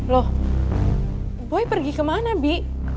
loh boy pergi ke mana bi